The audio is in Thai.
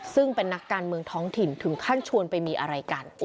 ซึ่งเป็นนักการเมืองท้องถิ่นถึงขั้นชวนไปมีอะไรกัน